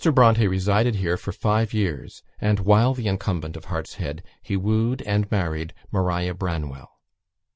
Bronte resided here for five years; and, while the incumbent of Hartshead, he wooed and married Maria Branwell.